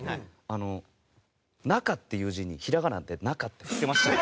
「中」っていう字にひらがなで「なか」って振ってましたよ。